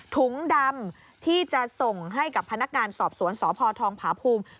ถุงดำที่จะส่งให้กับพนักงานสอบสวนสพทองผาภูมิ